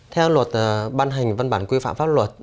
theo luật ban hành văn bản quy phạm pháp luật